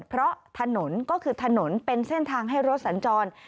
เพราะถนนก็คือถนนเป็นเส้นทางให้รถสัญจร